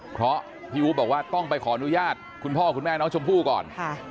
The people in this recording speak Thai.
เพราะพี่อู๋บอกว่าต้องไปขออนุญาตคุณพ่อคุณแม่น้องชมพู่ก่อน